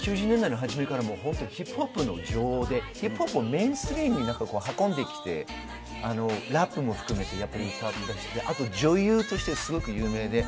９０年代初めからヒップホップの女王でヒップホップをメインストリートに運んできてラップも含めてあと女優としてもすごく有名です。